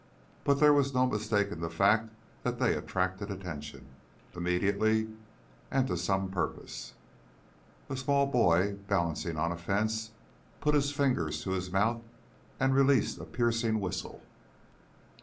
But there was no mistaking the fact that they attracted attention, immediately and to some purpose. A small boy, balancing on a fence, put his fingers to his mouth and released a piercing whistle.